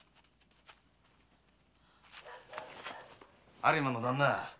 有馬の旦那。